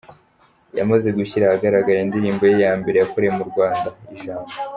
yamaze gushyira ahagaragara indirimbo ye ya mbere yakoreye mu Rwanda Ijambo.